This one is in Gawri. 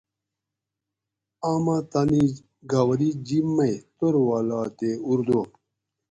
آمہ تانی گاؤری جِب مئ توروالاتے اُردو